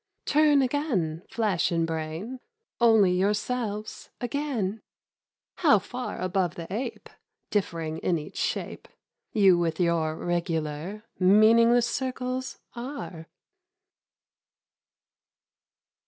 ' Turn again, flesh and brain, Only yourselves again ! How far above the ape Differing in each shape, You with your regular Meaningless circles are